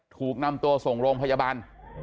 ถูกนำตัวส่งโรงพยาบาล